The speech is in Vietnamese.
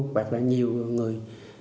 hoặc là nhiều người